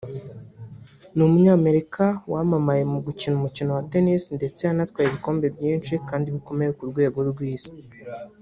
Ni umunyamerika wamamaye mu gukina umukino wa Tennis ndetse yanatwaye ibikombe byinshi kandi bikomeye ku rwego rw’isi